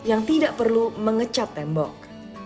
yang tidak perlu mengecat tembok